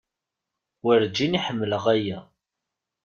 Werǧin i ḥemmleɣ aya.